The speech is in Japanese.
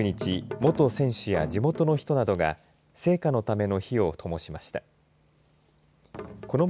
１９日元選手や地元の人などが聖火のための火をともしました。